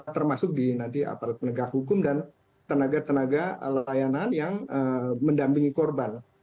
termasuk di nanti aparat penegak hukum dan tenaga tenaga layanan yang mendampingi korban